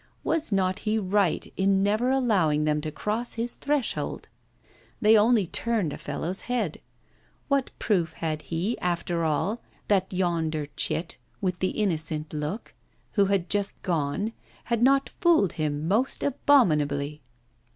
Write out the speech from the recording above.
Was not he right in never allowing them to cross his threshold? They only turned a fellow's head. What proof had he after all that yonder chit with the innocent look, who had just gone, had not fooled him most abominably?